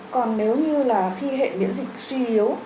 còn nếu như là khi hệ biến dịch suy yếu